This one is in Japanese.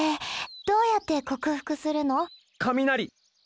どうやって克服するの？